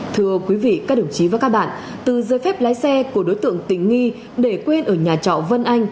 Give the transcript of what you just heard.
thưa quý vị các đồng chí và các bạn từ giới phép lái xe của đối tượng tình nghi để quên ở nhà trọ vân anh